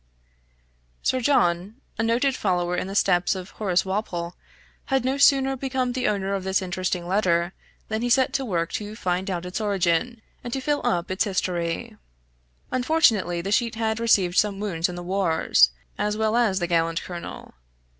Sir John, a noted follower in the steps of Horace Walpole, had no sooner become the owner of this interesting letter, than he set to work to find out its origin, and to fill up its history. Unfortunately, the sheet had received some wounds in the wars, as well as the gallant colonel.